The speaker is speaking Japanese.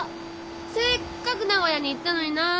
せっかく名古屋に行ったのになあ。